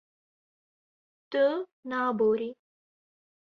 Tu naborî.